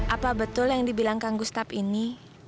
apa betul yang dibilang kang gustap ini